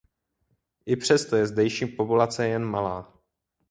I přes to je zdejší populace jen malá.